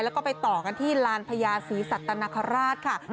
แล้วก็ไปต่อกันที่ลานพญาศรีสัตนคราชค่ะ